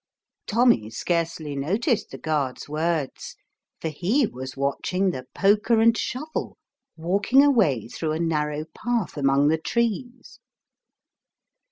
Tommy scarcely noticed the guard's words, for he was watching the poker and shovel walking away through a narrow path among the trees.